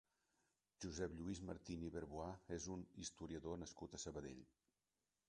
Josep Lluís Martín i Berbois és un historiador nascut a Sabadell.